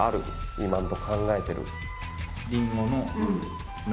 今のとこ考えてる。